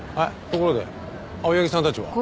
ところで青柳さんたちは？